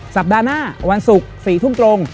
สัปดาห์หน้าวันศุกร์๔ทุ่มตรง